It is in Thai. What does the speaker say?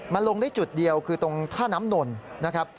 มันลงได้จุดเดียวคือตรงท่าน้ำนนนะครับ